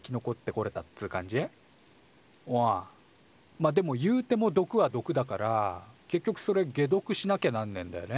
まあでも言うても毒は毒だから結局それ解毒しなきゃなんねえんだよね